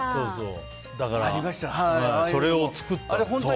だから、それを作ったと。